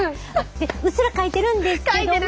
でうっすらかいてるんですけども。